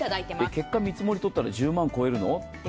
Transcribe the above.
結果、見積もりをとったら１０万超えるの？